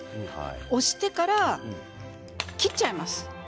押してから切っちゃいます。